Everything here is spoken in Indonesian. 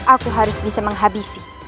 aku harus bisa menghabisi